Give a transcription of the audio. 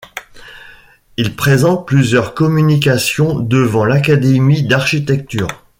Il présente plusieurs communications devant l'Académie d'architecture.